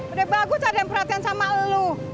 udah bagus ada yang perhatian sama lo